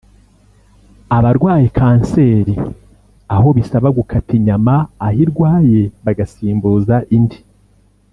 abarwaye ‘cancer’ aho bisaba gukata inyama aho irwaye bagasimbuza indi